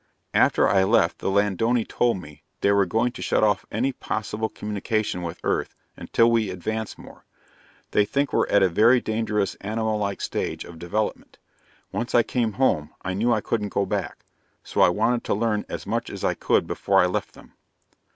"After I left, the Ladonai told me, they were going to shut off any possible communication with Earth until we advance more. They think we're at a very dangerous animal like stage of development. Once I came home, I knew I couldn't go back, so I wanted to learn as much as I could before I left them."